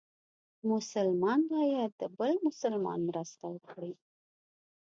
مسلمان باید د بل مسلمان مرسته وکړي.